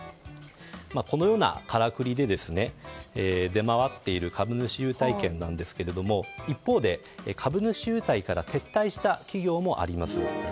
このようなからくりで出回っている株主優待券ですが一方で、株主優待から撤退した企業もあります。